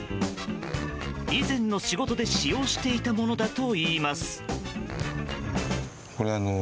以前の仕事で使用していたものだといいます。